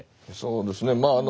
そうですね